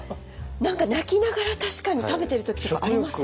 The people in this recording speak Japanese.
何か泣きながら確かに食べてる時とかあります。